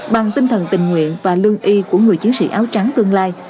bằng tinh thần tình nguyện và lương y của người chiến sĩ áo trắng tương lai